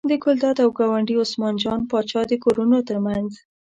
د ګلداد او ګاونډي عثمان جان پاچا د کورونو تر منځ.